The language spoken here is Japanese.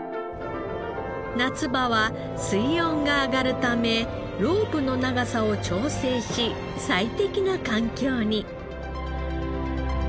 夏場は水温が上がるためロープの長さを調整し最適な環境に。